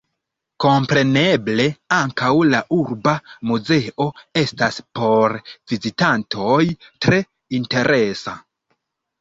Kompreneble ankaŭ la urba muzeo estas por vizitantoj tre interesa.